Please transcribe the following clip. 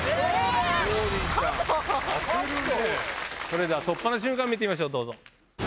それでは突破の瞬間見てみましょうどうぞ。